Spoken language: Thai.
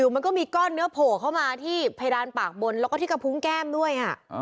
มันก็มีก้อนเนื้อโผล่เข้ามาที่เพดานปากบนแล้วก็ที่กระพุงแก้มด้วย